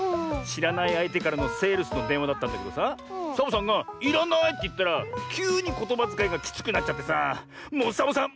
しらないあいてからのセールスのでんわだったんだけどさサボさんが「いらない」っていったらきゅうにことばづかいがきつくなっちゃってさもうサボさん